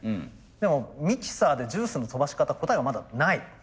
でもミキサーでジュースの飛ばし方答えはまだない。